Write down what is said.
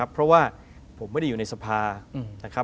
เพราะว่าผมไม่ได้อยู่ในสภานะครับ